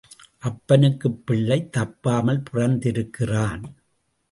அப்பனுக்குப் பிள்ளை தப்பாமல் பிறந்திருக்கிறான்.